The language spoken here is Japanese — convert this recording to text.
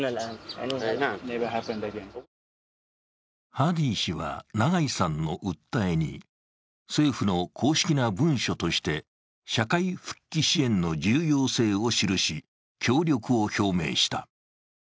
ハディ氏は永井さんの訴えに政府の公式な文書として社会復帰支援の重要性を記し、協力を表明した。